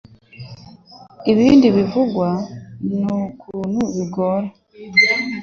Ibindi bivugwa ni ukuntu bigora